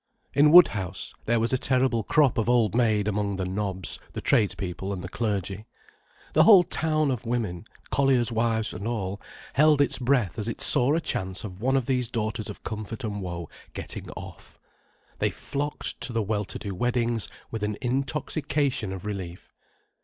In Woodhouse, there was a terrible crop of old maids among the "nobs," the tradespeople and the clergy. The whole town of women, colliers' wives and all, held its breath as it saw a chance of one of these daughters of comfort and woe getting off. They flocked to the well to do weddings with an intoxication of relief.